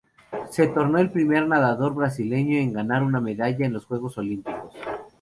Se tornó el primer nadador brasileño en ganar una medalla en los Juegos Olímpicos.